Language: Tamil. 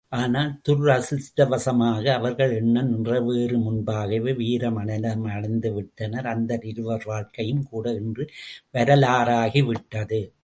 ஆனால் துரதிஷ்ட வசமாக, அவர்கள் எண்ணம் நிறைவேறுமுன்பாகவே, வீரமரணமடைந்துவிட்டனர் அந்த இருவர் வாழ்க்கையும் கூட இன்று வரலாறுகிவிட்டது.